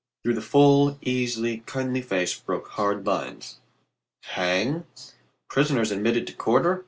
Through the full, easy, kindly face broke hard lines. "Hang? Prisoners admitted to quarter?